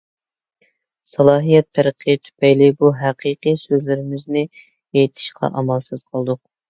سالاھىيەت پەرقى تۈپەيلى بۇ ھەقىقىي سۆزلىرىمىزنى ئېيتىشقا ئامالسىز قالدۇق.